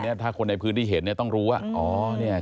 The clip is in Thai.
อันนี้ถ้าคนในพื้นที่เห็นเนี่ยต้องรู้ว่า